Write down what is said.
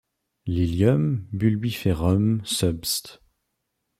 Lilium bulbiferum subsp.